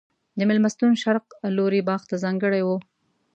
د مېلمستون شرق لوری باغ ته ځانګړی و.